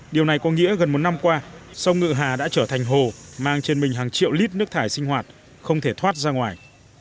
điều này có nghĩa gần một năm qua sông ngựa hà đã trở thành hồ mang trên mình hàng triệu lít nước thải sinh hoạt không thể thoát ra ngoài